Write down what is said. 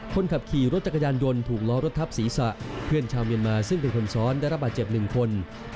คนขับขี่รถจักรยานยนต์ถูกล้อรถทับศีรษะเพื่อนชาวเมียนมาซึ่งเป็นคนซ้อนได้รับบาดเจ็บ๑คน